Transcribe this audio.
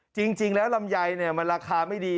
จริงแล้วลำไยมันราคาไม่ดี